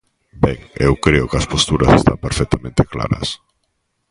Ben, eu creo que as posturas están perfectamente claras.